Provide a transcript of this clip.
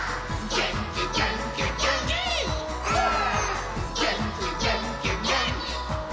「げんきげんきげんきんー！」